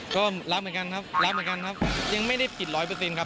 ก็รักเหมือนกันครับยังไม่ได้ผิดร้อยเปอร์เซ็นต์ครับ